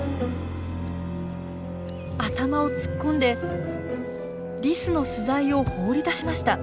頭を突っ込んでリスの巣材を放り出しました。